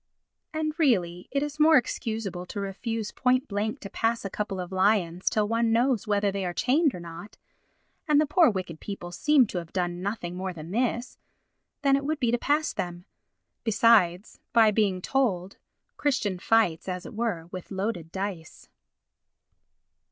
And really it is more excusable to refuse point blank to pass a couple of lions till one knows whether they are chained or not—and the poor wicked people seem to have done nothing more than this,—than it would be to pass them. Besides, by being told, Christian fights, as it were, with loaded dice.